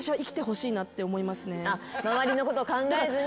周りのこと考えずに。